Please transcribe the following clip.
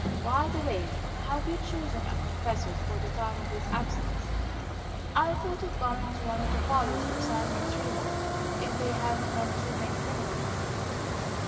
By the way, have you chosen a confessor for the time of his absence?" "I thought of going to one of the fathers of Santa Caterina, if they have not too many penitents."